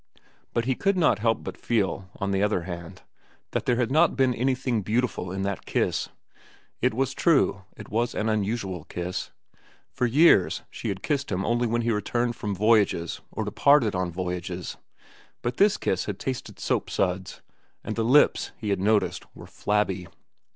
But he could not help but feel, on the other hand, that there had not been anything beautiful in that kiss. It was true, it was an unusual kiss. For years she had kissed him only when he returned from voyages or departed on voyages. But this kiss had tasted of soapsuds, and the lips, he had noticed, were flabby.